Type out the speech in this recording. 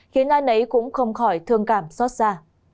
khiến ai nấy cũng không khỏi thương cảm xót xa